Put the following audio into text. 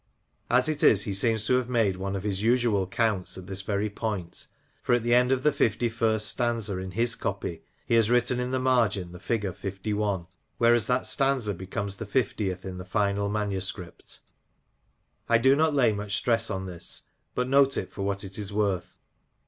As it is, he seems to have made one of his usual counts at this very point, for at the end of the fifty first stanza in his copy he has written in the margin the figure 51, whereas that stanza becomes the fiftieth in the final manuscript. I do not lay much stress on this, but note it for what it is worth.